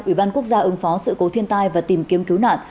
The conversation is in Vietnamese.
ủy ban quốc gia ứng phó sự cố thiên tai và tìm kiếm cứu nạn